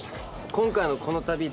今回のこの旅で僕。